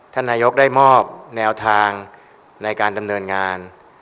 ท่านนายกได้มอบแนวทางในการดำเนินงาน